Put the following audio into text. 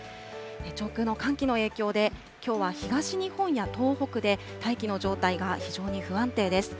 上空の寒気の影響で、きょうは東日本や東北で大気の状態が非常に不安定です。